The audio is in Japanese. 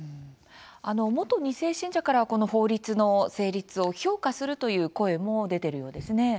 元２世信者からはこの法律の成立を評価するという声も出ているようですね。